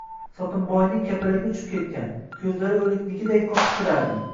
Sotimboyning kapalagi uchib ketgan, koʻzlari oʻliknikiday qotib turardi.